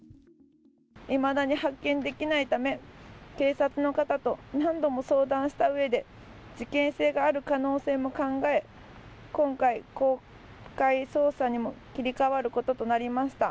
いまだに発見できないため、警察の方と何度も相談したうえで、事件性がある可能性も考え、今回、公開捜査にも切り替わることとなりました。